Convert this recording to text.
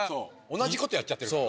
同じことやっちゃってるから。